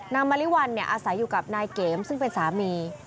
นางมะลิวัลเนี่ยอาศัยอยู่กับนายเกมซึ่งเป็นสามี